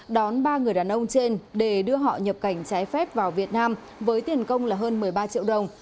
đón ba người đàn ông trên để đưa họ nhập cảnh trái phép vào việt nam với tiền công là hơn một mươi ba triệu đồng